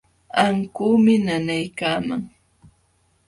Ankuumi nanaykaman.